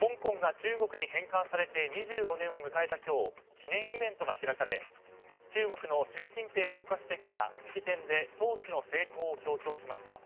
香港が中国に返還されて２５年を迎えた今日記念イベントが開かれ中国の習近平国家主席が式典で統治の成功を強調しました。